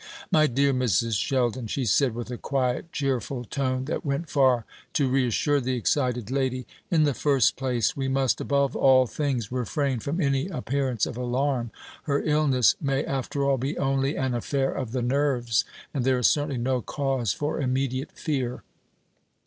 "My dear Mrs. Sheldon," she said, with a quiet cheerful tone that went far to reassure the excited lady, "in the first place we must, above all things, refrain from any appearance of alarm. Her illness may, after all, be only an affair of the nerves; and there is certainly no cause for immediate fear."